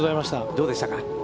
どうでしたか。